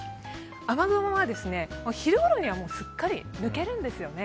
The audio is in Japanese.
雨雲は昼頃にはすっかり抜けるんですよね。